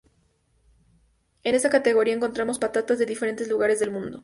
En esta categoría encontramos patatas de diferentes lugares del mundo.